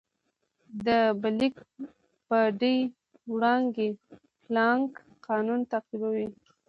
د بلیک باډي وړانګې پلانک قانون تعقیبوي.